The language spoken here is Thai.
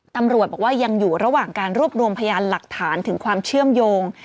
ตำรวจบอกว่ายังอยู่ระหว่างการรวบรวมพยานหลักฐานถึงความเชื่อมโยง